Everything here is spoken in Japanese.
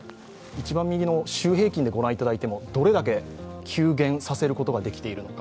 一番右の週平均で御覧いただいてもどれだけ急減させることができているのか。